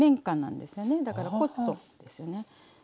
だからコットンですよね。